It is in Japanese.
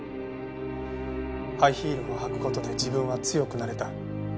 ハイヒールを履く事で自分は強くなれた。